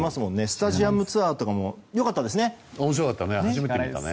スタジアムツアーとかも良かったですね。